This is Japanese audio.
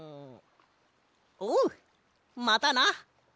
おうまたな！